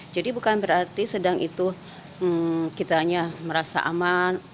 jadi bukan berarti sedang itu kita hanya merasa aman